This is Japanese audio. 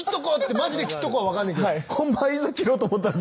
マジで切っとこは分かんねん。